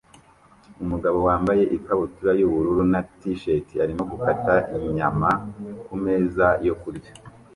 Umugabo wambaye ikabutura yubururu na t-shirt arimo gukata inyanya kumeza yo kurya